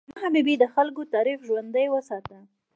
علامه حبیبي د خلکو تاریخ ژوندی وساته.